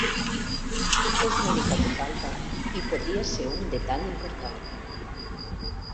És l'única que falta i podria ser un detall important.